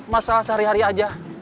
masalah sehari hari aja